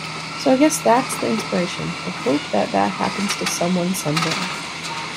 So I guess that's the inspiration-the hope that that happens to someone someday.